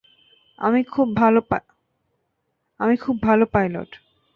আমি খুব ভালো পাইলট।